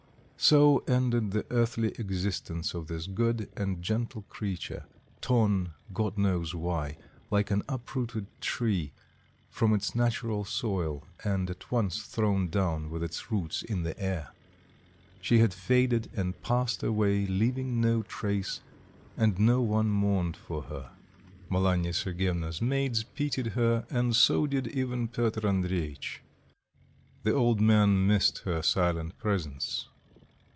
So ended the earthly existence of this good and gentle creature, torn, God knows why, like an uprooted tree from its natural soil and at once thrown down with its roots in the air; she had faded and passed away leaving no trace, and no one mourned for her. Malanya Sergyevna's maids pitied her, and so did even Piotr Andreitch. The old man missed her silent presence.